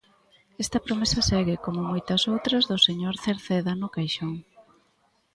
Esta promesa segue, como moitas outras do señor Cerceda, no caixón.